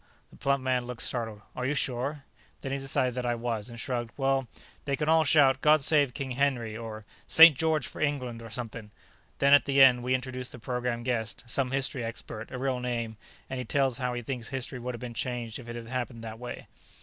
The plump man looked startled. "Are you sure?" Then he decided that I was, and shrugged. "Well, they can all shout, 'God Save King Henry!' or 'St. George for England!' or something. Then, at the end, we introduce the program guest, some history expert, a real name, and he tells how he thinks history would have been changed if it had happened this way."